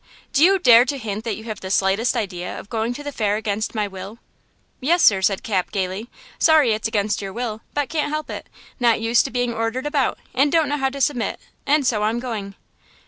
Do you dare to hint that you have the slightest idea of going to the fair against my will?" "Yes, sir," said Cap, gaily. "Sorry it's against your will, but can't help it; not used to being ordered about and don't know how to submit, and so I'm going."